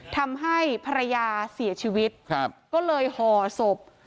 ทำให้ภรรยาเสียชีวิตครับก็เลยห่อศพ